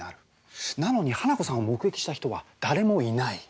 なのに花子さんを目撃した人は誰もいない。